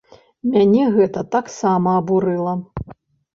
Мяне гэта таксама абурыла.